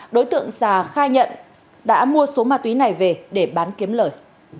đối tượng sà khai nhận đã mua số ma túy này về để bán kiếm lời